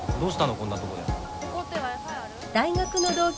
こんなとこで。